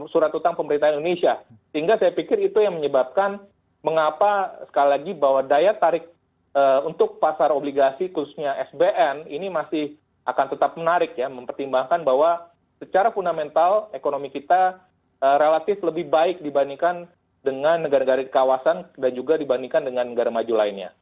surat utang pemerintah indonesia sehingga saya pikir itu yang menyebabkan mengapa sekali lagi bahwa daya tarik untuk pasar obligasi khususnya sbn ini masih akan tetap menarik ya mempertimbangkan bahwa secara fundamental ekonomi kita relatif lebih baik dibandingkan dengan negara negara di kawasan dan juga dibandingkan dengan negara maju lainnya